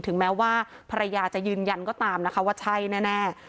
แม้ว่าภรรยาจะยืนยันก็ตามนะคะว่าใช่แน่